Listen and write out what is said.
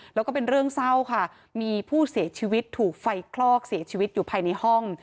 แล้วก็เป็นเรื่องเศร้าค่ะมีผู้เสียชีวิตถูกไฟคลอกเสียชีวิตอยู่ภายในห้อง